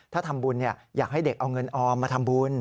ถ้าทำบุญอยากให้เด็กเอาเงินออมมาทำบุญ